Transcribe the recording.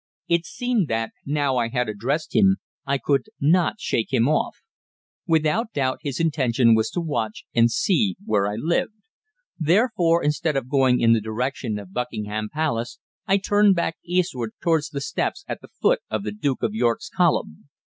It seemed that, now I had addressed him, I could not shake him off. Without doubt his intention was to watch, and see where I lived. Therefore, instead of going in the direction of Buckingham Palace, I turned back eastward towards the steps at the foot of the Duke of York's Column.